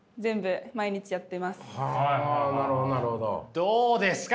どうですか？